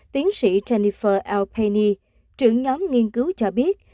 tiến sĩ jennifer l penney trưởng nhóm nghiên cứu cho biết